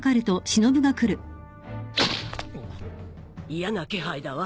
嫌な気配だわ。